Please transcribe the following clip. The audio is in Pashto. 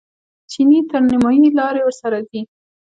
چیني تر نیمایي لارې ورسره ځي.